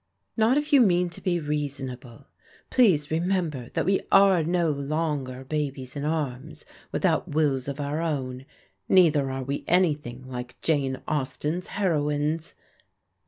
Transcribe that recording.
" Not if you mean to be reasonable. Please remember that we are no longer babies in arms, without wills of our own. Neither are we anything like Jane Austen's heroines."